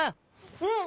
うん！